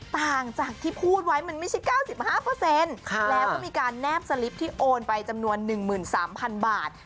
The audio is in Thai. ต่างจากที่พูดไว้มันไม่ใช่๙๕แล้วก็มีการแนบสลิปที่โอนไปจำนวน๑๓๐๐๐บาท